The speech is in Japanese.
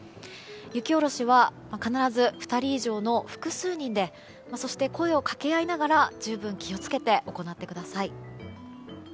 雪下ろしは必ず２人以上の複数人でそして声を掛け合いながら十分気を付けて行ってください。